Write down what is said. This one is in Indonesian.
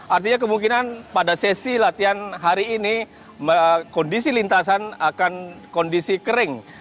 artinya kemungkinan pada sesi latihan hari ini kondisi lintasan akan kondisi kering